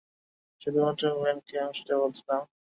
শুধুমাত্র ওয়েনকেই আমি সেটা বলেছিলাম।